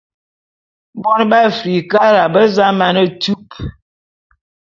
Bone be Afrikara be za mane tup.